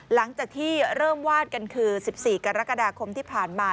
หลังจากที่เริ่มวาดกันคือ๑๔กรกฎาคมที่ผ่านมา